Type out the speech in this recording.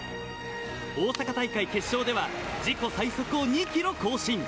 大阪大会決勝では自己最速を２キロ更新。